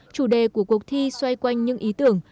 chủ đề của cuộc thi xoay quanh những ý tưởng